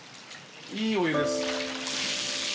いいお湯です。